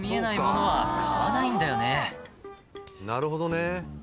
なるほどね。